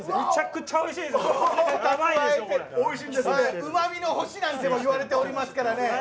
うまみの星なんていわれてますからね。